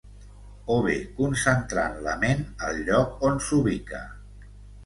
O bé, concentrant la ment al lloc on s'ubica.